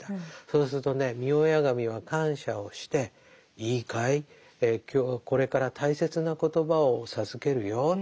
そうするとね御祖神は感謝をして「いいかい今日はこれから大切な言葉を授けるよ。